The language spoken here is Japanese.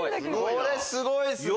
これすごいっすね。